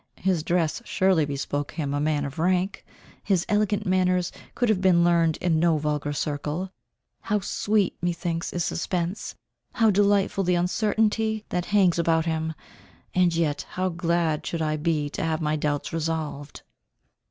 His dress surely bespoke him a man of rank. His elegant manners could have been learned in no vulgar circle. How sweet, methinks is suspence! How delightful the uncertainty that hangs about him! And yet, how glad should I be to have my doubts resolved."